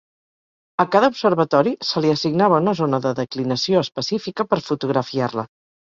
A cada observatori se li assignava una zona de declinació específica per fotografiar-la.